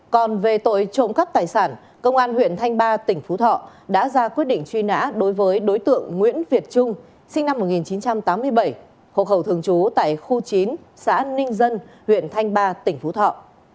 còn về tội trộm cắp tài sản công an huyện thanh ba tỉnh phú thọ đã ra quyết định truy nã đối với đối tượng nguyễn việt trung sinh năm một nghìn chín trăm tám mươi bảy hộ khẩu thường trú tại khu chín xã ninh dân huyện thanh ba tỉnh phú thọ